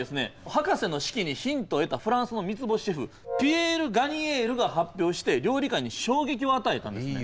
博士の式にヒントを得たフランスの３つ星シェフピエール・ガニェールが発表して料理界に衝撃を与えたんですね。